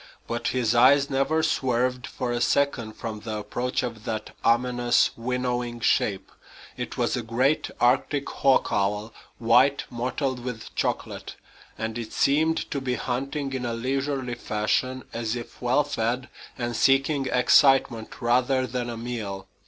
But his eyes never swerved for a second from the approach of that ominous, winnowing shape. It was a great Arctic hawk owl, white mottled with chocolate; and it seemed to be hunting in a leisurely fashion, as if well fed and seeking excitement rather than a meal.